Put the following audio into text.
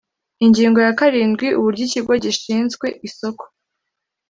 Ingingo ya karindwi Uburyo Ikigo gishinzwe isoko